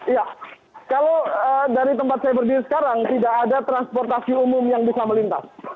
iya kalau dari tempat saya berdiri sekarang tidak ada transportasi umum yang bisa melintas